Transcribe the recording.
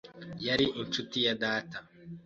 yari inshuti ya data.